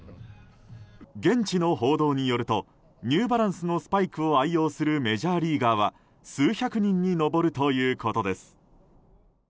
現地の報道によるとニューバランスのスパイクを愛用するメジャーリーガーは数百人に上るということです。